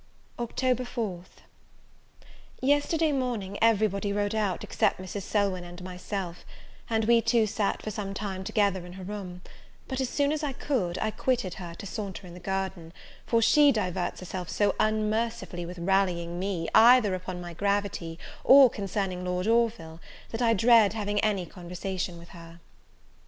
Oct. 4th. Yesterday morning every body rode out, except Mrs. Selwyn and myself; and we two sat for some time together in her room; but, as soon as I could, I quitted her, to saunter in the garden; for she diverts herself so unmercifully with rallying me, either upon my gravity, or concerning Lord Orville, that I dread having any conversation with her.